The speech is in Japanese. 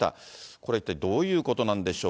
これ一体どういうことなんでしょう。